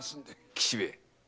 吉兵衛